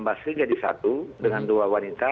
basri jadi satu dengan dua wanita